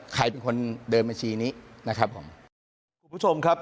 ใครเป็นคนเดินบัญชีนี้นะครับผมคุณผู้ชมครับ